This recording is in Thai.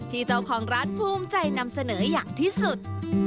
ที่เจ้าของร้านภูมิใจนำเสนออย่างที่สุด